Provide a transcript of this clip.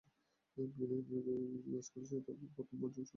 বিনয়ের হৃদয়বীণায় আজকাল যে তারটি পঞ্চম সুরে বাঁধা ছিল গোরা সেই তারেই আঘাত করিল।